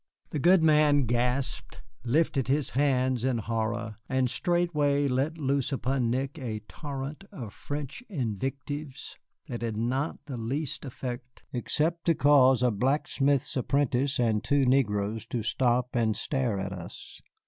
The good man gasped, lifted his hands in horror, and straightway let loose upon Nick a torrent of French invectives that had not the least effect except to cause a blacksmith's apprentice and two negroes to stop and stare at us.